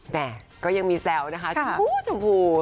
แหม่ก็ยังมีแซวนะคะชมพู